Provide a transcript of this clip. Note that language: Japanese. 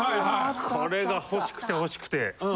これが欲しくて欲しくて。